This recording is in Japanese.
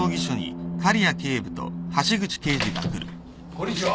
こんにちは。